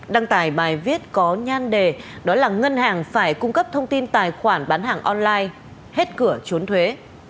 đăng tải bài viết có nhan đề đó là ngân hàng phải cung cấp thông tin tài khoản bán hàng online hết cửa trốn thuế